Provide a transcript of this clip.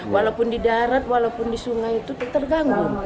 walaupun di darat walaupun di sungai itu terganggu